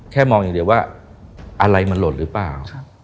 แค่มองอย่างเดียวว่าอะไรมันหลดหรือเปล่า